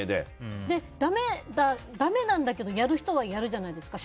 だめなんだけどやる人はやるじゃないですか。